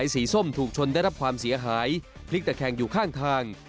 สีส้มถูกชนได้รับความเสียหายพลิกตะแคงอยู่ข้างทาง